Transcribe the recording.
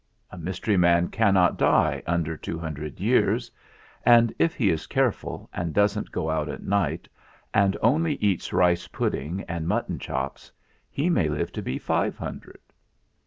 A mystery man cannot die under two hundred years, and if he is careful and doesn't go out at night and only eats rice pudding and mutton chops, he may live to be five hundred.